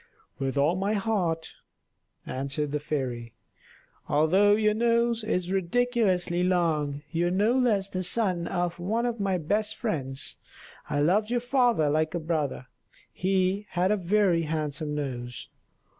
"With all my heart," answered the fairy. "Although your nose is ridiculously long, you are no less the son of one of my best friends. I loved your father like a brother; he had a very handsome nose."